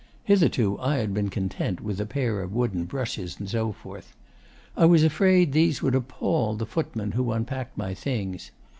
Hitherto I had been content with a pair of wooden brushes, and so forth. I was afraid these would appal the footman who unpacked my things.